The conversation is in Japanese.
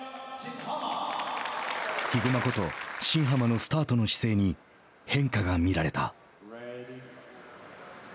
ヒグマこと新濱のスタートの姿勢に変化が見られた。